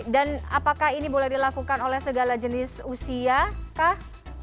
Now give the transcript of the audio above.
dan apakah ini boleh dilakukan oleh segala jenis usia kah